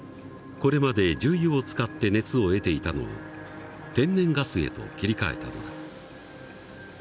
これまで重油を使って熱を得ていたのを天然ガスへと切り替えたのだ。